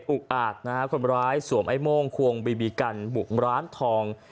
อาจนะฮะคนร้ายสวมไอ้โม่งควงบีบีกันบุกร้านทอง